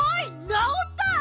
なおった！